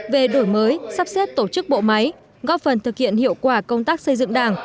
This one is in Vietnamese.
về đổi mới sắp xếp tổ chức bộ máy góp phần thực hiện hiệu quả công tác xây dựng đảng